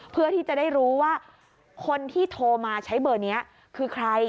เพื่อที่จะได้รู้ว่าคนที่โทรมาใช้เบอร์นี้คือใคร